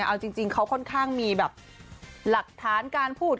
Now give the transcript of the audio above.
เอาจริงเขาค่อนข้างมีแบบหลักฐานการพูด